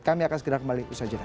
kami akan segera kembali usaha jeda